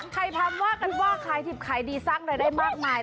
ไข่พร้ำว่ากันบ้าคล้ายทิบคล้ายดีสักเลยได้มากมาย